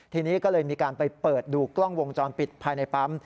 ทีนี้ก็เลยมีการไปเปิดดูกล้องวงจรปิดภายในปั๊ม